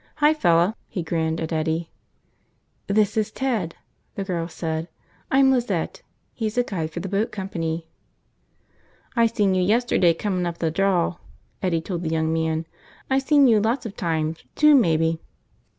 "Hi, fella," he grinned at Eddie. "This is Ted," the girl said. "I'm Lizette. He's a guide for the boat company." "I seen you yesterday comin' up the draw," Eddie told the young man. "I seen you lots of times, two maybe."